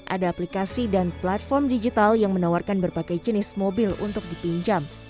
ada aplikasi dan platform digital yang menawarkan berbagai jenis mobil untuk dipinjam